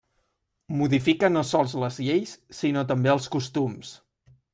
Modifica no sols les lleis, sinó també els costums.